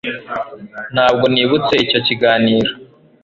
ntabwo nibutse icyo kiganiro